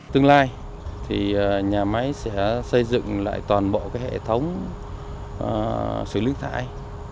tương lai thì nhà máy sẽ xây dựng lại toàn bộ hệ thống xử lý thải